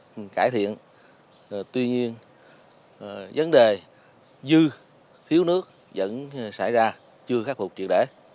nhưng cải thiện tuy nhiên vấn đề dư thiếu nước vẫn xảy ra chưa khắc phục triệt để